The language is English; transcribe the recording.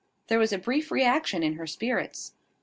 There was a brief reaction in her spirits.